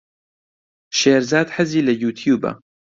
شێرزاد حەزی لە یووتیووبە.